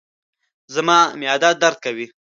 زما معده درد کوي